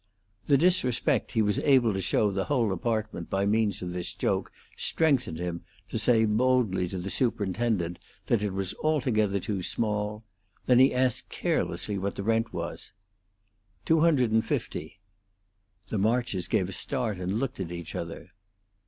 The disrespect he was able to show the whole apartment by means of this joke strengthened him to say boldly to the superintendent that it was altogether too small; then he asked carelessly what the rent was. "Two hundred and fifty." The Marches gave a start, and looked at each other.